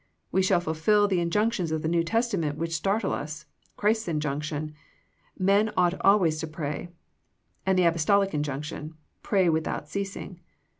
We shall fulfill the in junctions of the ^N'ew Testament which startle us — Christ's injunction, "Men ought always to pray," and the Apostolic injunction, " Pray with out ceasing."